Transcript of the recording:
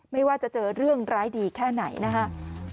ไม่ว่าจะเจอเรื่องร้ายดีแค่ไหนนะครับ